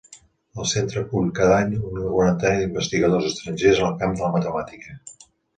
El Centre acull cada any una quarantena d'investigadors estrangers en el camp de la matemàtica.